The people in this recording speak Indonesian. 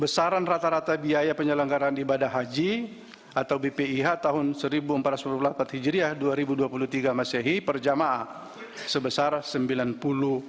pesaran rata rata biaya penyelenggaran ibadah haji atau bpih tahun seribu empat ratus empat puluh delapan hijriah dua ribu dua puluh tiga masyahi per jamaah sebesar rp sembilan puluh lima puluh enam puluh tiga ribu tujuh ratus dua puluh enam